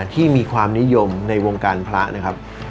ที่มีความนิยมในวงการพระ